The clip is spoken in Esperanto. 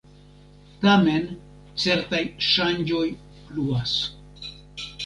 Tamen certaj ŝanĝoj pluas.